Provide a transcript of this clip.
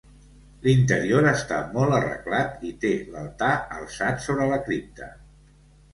L'interior està molt arreglat i té l'altar alçat sobre la cripta.